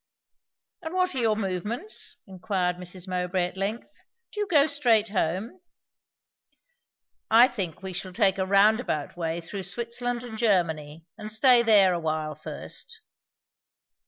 "And what are your movements?" inquired Mrs. Mowbray at length. "Do you go straight home?" "I think we shall take a roundabout way through Switzerland and Germany, and stay there awhile first."